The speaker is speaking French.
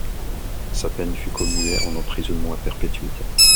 Sa peine fut commuée en emprisonnement à perpétuité.